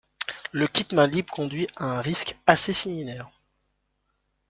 Le kit mains-libre conduit à un risque assez similaire.